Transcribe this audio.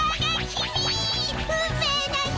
運命の人！